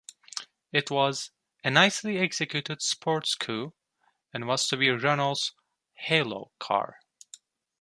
It was "a nicely executed sports coupe" and was to be Renault's "halo" car.